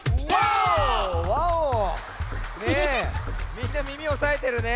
みんなみみおさえてるね。